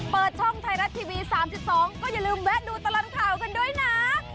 เปิดช่องไทยรัฐทีวี๓๒ก็อย่าลืมแวะดูตลอดข่าวกันด้วยนะ